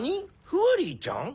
フワリーちゃん？